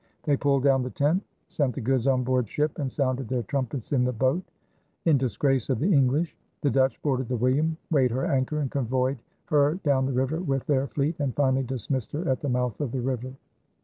They pulled down the tent, sent the goods on board ship, and sounded their trumpets in the boat "in disgrace of the English." The Dutch boarded the William, weighed her anchor, and convoyed her down the river with their fleet, and finally dismissed her at the mouth of the river.